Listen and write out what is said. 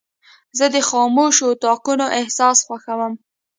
زه د خاموشو اتاقونو احساس خوښوم.